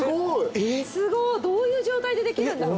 すごっどういう状態でできるんだろう？